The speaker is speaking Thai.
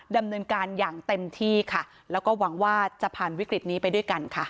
ดำเนินการอย่างเต็มที่ค่ะแล้วก็หวังว่าจะผ่านวิกฤตนี้ไปด้วยกันค่ะ